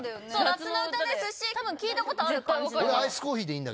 夏の歌ですしたぶん聴いたことある感じの。